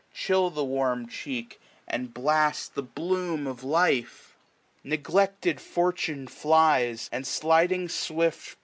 Chill the warm cheek, and blast the bloom of life ! SPRING 39 Neglected fortune flies j and sliding swift.